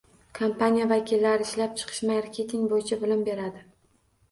Kompaniya vakillari ishlab chiqish, marketing bo'yicha bilim beradi.